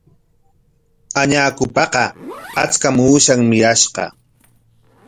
Añakupaqa achka uushanmi mirashqa.